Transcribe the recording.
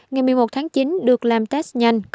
ngày một mươi một tháng chín được làm test nhanh